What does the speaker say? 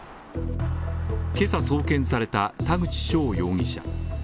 けさ送検された田口翔容疑者。